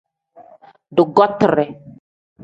Dugotire.